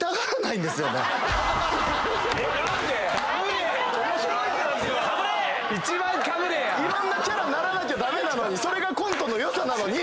いろんなキャラならなきゃ駄目なのにそれがコントの良さなのに。